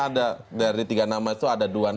ada dari tiga nama itu ada dua